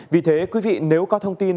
vì thế quý vị nếu có thông tin